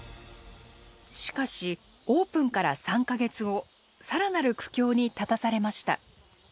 しかしオープンから３か月後更なる苦境に立たされました。